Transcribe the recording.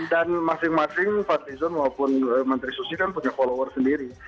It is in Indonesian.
dan masing masing partisan maupun menteri sosial kan punya follower sendiri